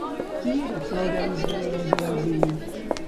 Qui era Flora Isgleas i Alsina?